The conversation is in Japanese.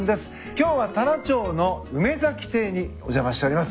今日は太良町の梅崎亭にお邪魔しております。